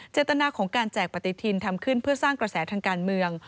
เจตนาของการแจกปฏิทินทำขึ้นเพื่อสร้างกระแสทางการเมือง